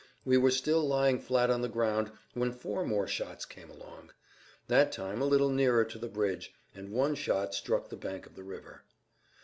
We were still lying flat on the ground when four more shots came along. That time a little nearer to the bridge, and one shot struck the bank of the river.